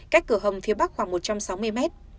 cách cửa hầm phía bắc khoảng một trăm sáu mươi mét